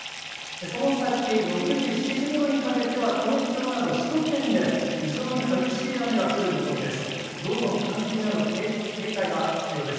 その先、６時、７時ごろにかけては東京など首都圏で非常に激しい雨が降る見込みです。